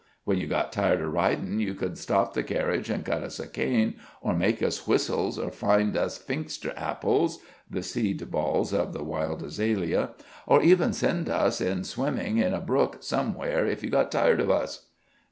When you got tired of ridin' you could stop the carriage an' cut us a cane, or make us whistles, or find us pfingster apples (the seed balls of the wild azalea), or even send us in swimming in a brook somewhere if you got tired of us."